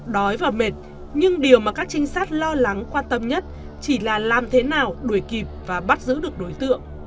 đói và mệt nhưng điều mà các trinh sát lo lắng quan tâm nhất chỉ là làm thế nào đuổi kịp và bắt giữ được đối tượng